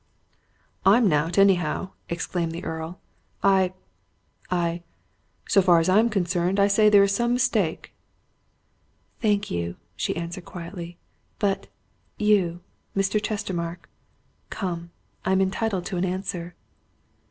"I'm not, anyhow!" exclaimed the Earl. "I I so far as I'm concerned, I say there's some mistake." "Thank you!" she answered quietly. "But you, Mr. Chestermarke? Come I'm entitled to an answer."